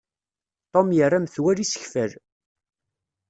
Tom yerra metwal isekfal.